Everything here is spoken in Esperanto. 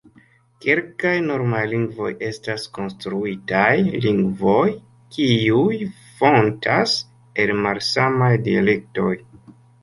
Kelkaj normaj lingvoj estas konstruitaj lingvoj, kiuj fontas el malsamaj dialektoj.